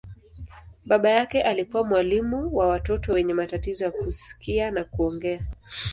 Baba yake alikuwa mwalimu wa watoto wenye matatizo ya kusikia na kuongea.